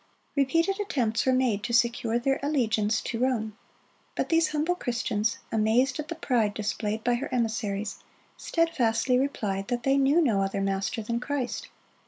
Repeated attempts were made to secure their allegiance to Rome; but these humble Christians, amazed at the pride displayed by her emissaries, steadfastly replied that they knew no other master than Christ.